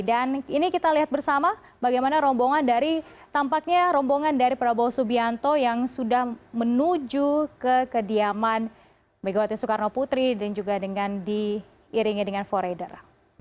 dan ini kita lihat bersama bagaimana rombongan dari tampaknya rombongan dari prabowo subianto yang sudah menuju ke kediaman megawati soekarno putri dan juga dengan diiringi dengan foreder